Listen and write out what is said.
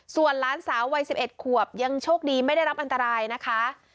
ส่วนหลานสาววัย๑๑ขวบยังโชคดีไม่ได้รับอันตรายนะคะ